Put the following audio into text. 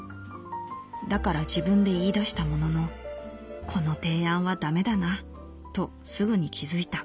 だから自分で言い出したもののこの提案は駄目だなとすぐに気づいた」。